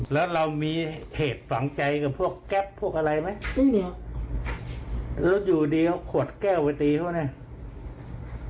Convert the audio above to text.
แล้วเรามีเหตุฝังใจกับพวกแก๊ปพวกอะไรไหมไม่มีแล้วอยู่ดีเอาขวดแก้วไปตีเขาเนี่ย